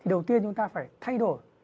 đầu tiên chúng ta phải thay đổi